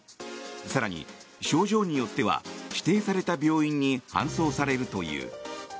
更に、症状によっては指定された病院に搬送されるという。